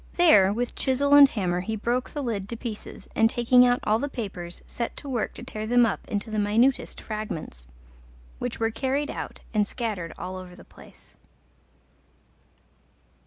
There with chisel and hammer he broke the lid to pieces, and taking out all the papers, set to work to tear them up into the minutest fragments, which were carried out and scattered all over the place.